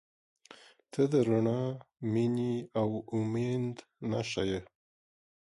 • ته د رڼا، مینې، او امید نښه یې.